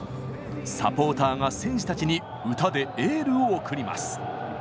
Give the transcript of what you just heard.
サポーターが選手たちに歌でエールを送ります。